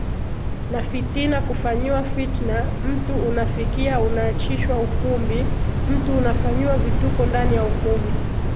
ni fitina Kufanyiwa fitna Mtu unafikia unaachishwa ukumbi mtu unafanyiwa vituko ndani ya ukumbi